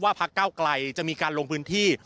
พักเก้าไกลจะมีการลงพื้นที่